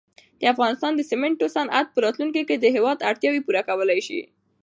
د افغانستان د سېمنټو صنعت په راتلونکي کې د هېواد اړتیاوې پوره کولای شي.